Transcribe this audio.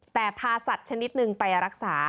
แต่พาสัตว์ชนิดหนึ่งไปรักษา